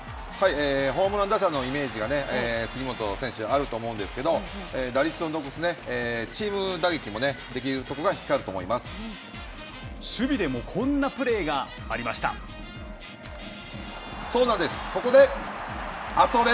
ホームラン打者のイメージが杉本選手はあると思うんですけど、打率を残すチーム打撃もできるところが光る守備でもこんなプレーがありまそうなんです。